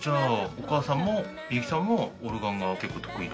お母さんも幸さんもオルガンが結構、得意？